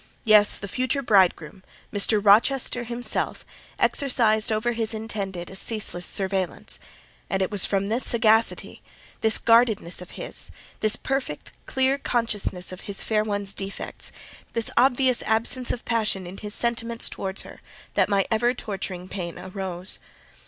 Yes; the future bridegroom, Mr. Rochester himself, exercised over his intended a ceaseless surveillance; and it was from this sagacity—this guardedness of his—this perfect, clear consciousness of his fair one's defects—this obvious absence of passion in his sentiments towards her, that my ever torturing pain arose.